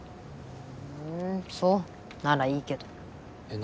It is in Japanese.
ふんそうならいいけどえっ何？